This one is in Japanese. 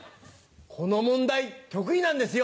この問題得意なんですよ。